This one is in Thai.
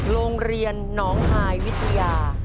โรงเรียนหนองฮายวิทยา